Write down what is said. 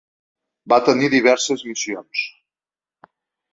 Va tenir diverses missions.